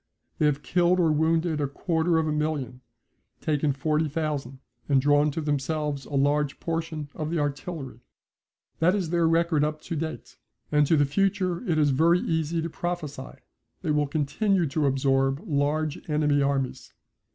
They have killed or wounded a quarter of a million, taken 40,000, and drawn to themselves a large portion of the artillery. That is their record up to date. As to the future it is very easy to prophesy. They will continue to absorb large enemy armies.